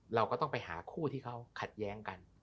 เราก็ต้องไปหาคู่ที่เขาขัดแย้งกัน